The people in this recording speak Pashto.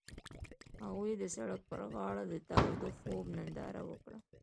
هغوی د سړک پر غاړه د تاوده خوب ننداره وکړه.